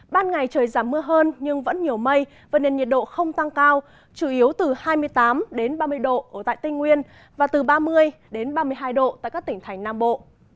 ban ngày trời giảm mưa hơn nhưng vẫn nhiều mây và nền nhiệt độ không tăng cao chủ yếu từ hai mươi tám ba mươi độ ở tại tây nguyên và từ ba mươi ba mươi hai độ tại các tỉnh thành nam bộ